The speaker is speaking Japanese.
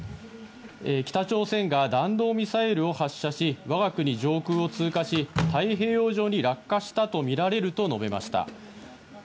岸田総理大臣は先ほど総理官邸に入りまして、北朝鮮が弾道ミサイルを発射し、我が国の上空を通過し、太平洋上に落下したとみられると述べました。